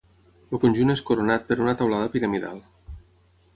El conjunt és coronat per una teulada piramidal.